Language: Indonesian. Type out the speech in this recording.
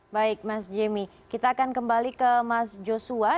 baik mas jimmy kita akan kembali ke mas joshua